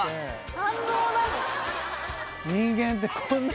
感動なの？